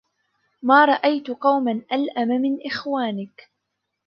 مَا رَأَيْت قَوْمًا أَلْأَمَ مِنْ إخْوَانِك